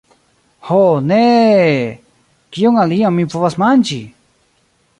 Ho, neeeee... kion alian mi povas manĝi?